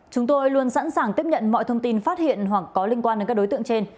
chúng tôi luôn sẵn sàng tiếp nhận mọi thông tin phát hiện hoặc có liên quan đến các đối tượng trên